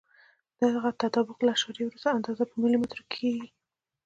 دغه تطابق له اعشاریه وروسته اندازه په ملي مترو کې ښیي.